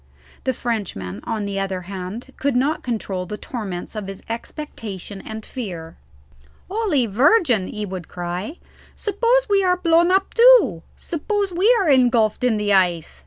The Frenchman, on the other hand, could not control the torments of his expectation and fear. "Holy Virgin!" he would cry, "suppose we are blown up too? suppose we are engulphed in the ice?